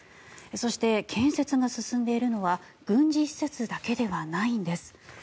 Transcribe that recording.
そして、建設が進んでいるのは軍事施設だけではないんです。